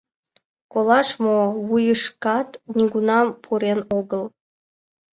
— Колаш мо, вуйышкат нигунам пурен огыл...